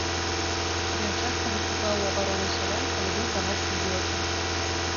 Ён часта выступаў у абарону сялян, калі быў грамадскім дзеячам.